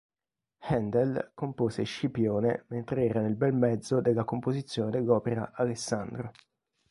Händel compose "Scipione" mentre era nel bel mezzo della composizione dell'opera "Alessandro".